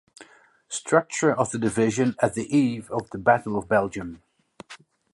Structure of the division at the eve of the Battle of Belgium.